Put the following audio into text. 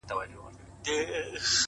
کلونه پس چي درته راغلمه. ته هغه وې خو؛.